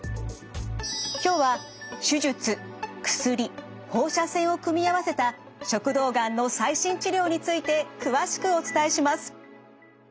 今日は手術薬放射線を組み合わせた食道がんの最新治療について詳しくお伝えします。